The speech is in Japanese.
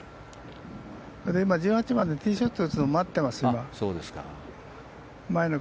それで今、１８番でティーショット打つの待ってます